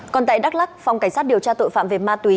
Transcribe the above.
còn tại đắk lắc phòng cảnh sát điều tra tội phạm về ma túy